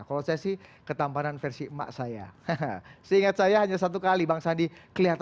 kalau saya sih ketampanan versi emak saya